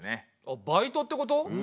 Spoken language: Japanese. あっバイトってこと？